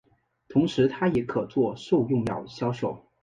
同时它也可作兽用药销售。